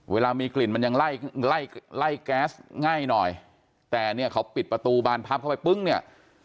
เวลามีกลิ่นมันยังไล่ไล่แก๊สง่ายหน่อยแต่เนี่ยเขาปิดประตูบานพับเข้าไปปึ้งเนี่ย